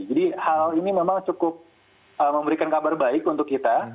jadi hal ini memang cukup memberikan kabar baik untuk kita